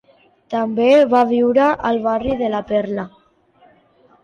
També va viure al barri de La Perla.